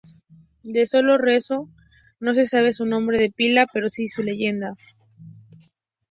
De Solo Renzo no se sabe su nombre de pila, pero sí su leyenda.